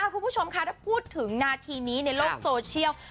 คุณผู้ชมค่ะถ้าพูดถึงนาทีนี้ในโลกโซเชียล